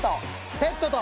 ペットと。